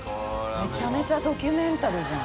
めちゃめちゃドキュメンタリーじゃん。